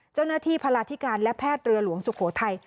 เจ้าหน้าที่พลาธิการและแพทย์เรือหลวงสุโขทัย